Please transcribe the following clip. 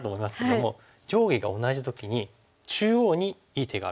上下が同じ時に中央にいい手がある。